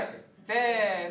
せの。